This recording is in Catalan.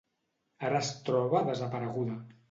Ara es troba desapareguda.